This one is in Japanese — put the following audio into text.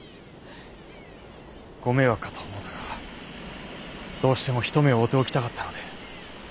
ご迷惑かと思うたがどうしても一目会うておきたかったので。